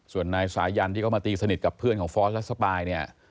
ส่วนนายสายันที่เขามาตีสนิทกับเพื่อนของฟอสและสปายเนี่ย